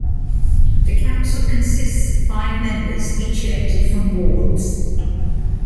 The council consists of five members each elected from wards.